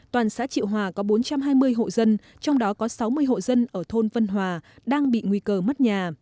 toàn xã triệu hòa có bốn trăm hai mươi hộ dân trong đó có sáu mươi hộ dân ở thôn vân hòa đang bị nguy cơ mất nhà